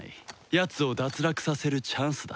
やつを脱落させるチャンスだ。